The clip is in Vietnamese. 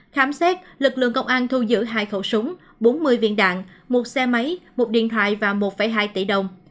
khám xét lực lượng công an thu giữ hai khẩu súng bốn mươi viên đạn một xe máy một điện thoại và một hai tỷ đồng